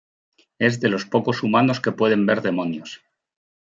Es de los pocos humanos que pueden ver demonios.